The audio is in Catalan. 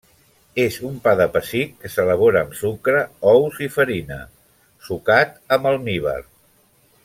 És un pa de pessic que s'elabora amb sucre, ous i farina, sucat amb almívar.